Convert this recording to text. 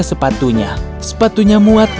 sepatunya sepatunya muat